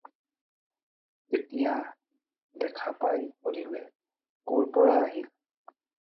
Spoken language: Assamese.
এতিয়া দেখা পাই সুধিলে- "ক'ৰ পৰা আহিল?"